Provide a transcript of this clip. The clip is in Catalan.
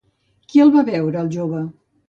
Qui el va veure al jove?